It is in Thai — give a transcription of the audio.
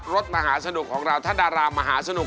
รถมหาสนุกของเราท่านดารามหาสนุก